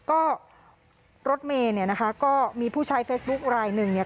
ก็รถเมย์เนี่ยนะคะก็มีผู้ใช้เฟซบุ๊คลายหนึ่งเนี่ย